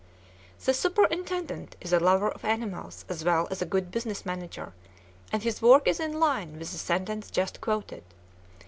The superintendent is a lover of animals as well as a good business manager, and his work is in line with the sentence just quoted.